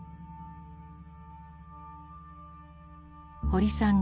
堀さん